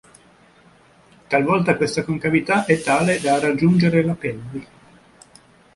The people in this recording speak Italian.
Talvolta questa concavità è tale da raggiungere la pelvi.